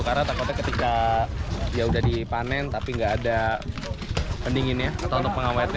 karena takutnya ketika ya sudah dipanen tapi nggak ada pendinginnya atau untuk pengawetnya